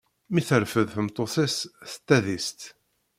Mi terfed tmeṭṭut-is s tadist.